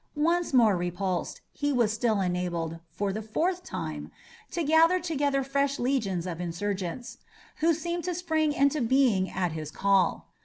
Once more repulsed, he was still enabled, for the fourth time, to gather together fresh legions of insurgents, who seemed to spring into being at his call.